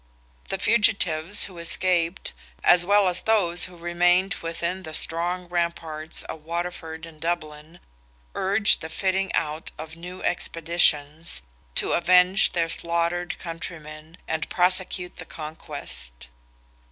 The fugitives who escaped, as well as those who remained within the strong ramparts of Waterford and Dublin, urged the fitting out of new expeditions, to avenge their slaughtered countrymen and prosecute the conquest.